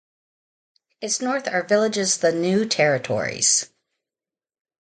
Its north are villages the New Territories.